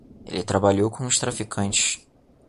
Ele trabalhou com uns traficantes.